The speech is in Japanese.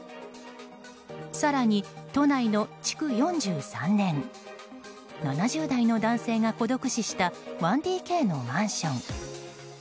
更に、都内の築４３年７０代の男性が孤独死した１ＤＫのマンション。